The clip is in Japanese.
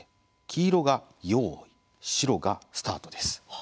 黄色が「ヨーイ」白が「スタート」です。